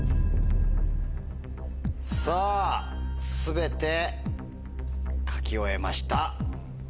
さぁ全て書き終えました。